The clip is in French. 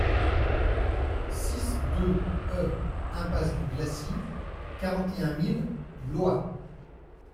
six deux e Impasse du Glacis, quarante et un mille Blois